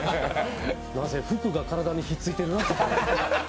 なんせ服が体にひっついてるらしいですから。